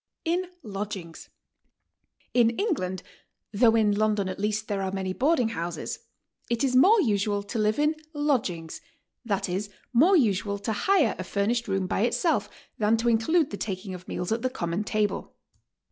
IN LODGINGS. In England, though in London at least there are many boarding houses, it is more usual to live in "lodgings," that is, more usual to hire a furnished room by itself than to in clude the taking of meals at the common table.